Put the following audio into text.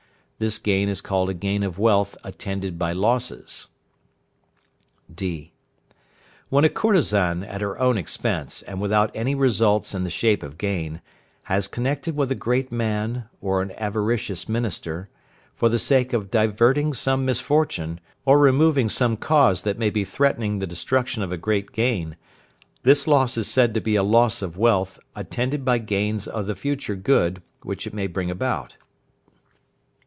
This gain is called a gain of wealth attended by losses. (d). When a courtesan, at her own expense, and without any results in the shape of gain, has connected with a great man, or an avaricious minister, for the sake of diverting some misfortune, or removing some cause that may be threatening the destruction of a great gain, this loss is said to be a loss of wealth attended by gains of the future good which it may bring about.